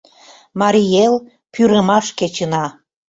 Марий Эл — пӱрымаш кечына